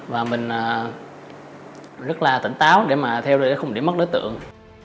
và mình rất là tỉnh táo để mà theo đuôi để không đi mất đối tượng